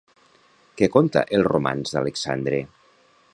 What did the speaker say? Què conta El romanç d'Alexandre?